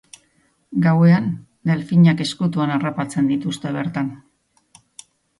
Gauean delfinak ezkutuan harrapatzen dituzte bertan.